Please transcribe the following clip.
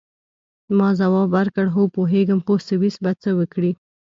ما ځواب ورکړ: هو، پوهیږم، خو سویس به څه وکړي؟